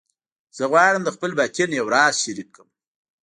زه غواړم د خپل باطن یو راز شریک کړم